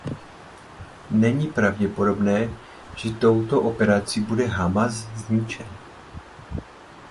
Není pravděpodobné, že touto operací bude Hamás zničen.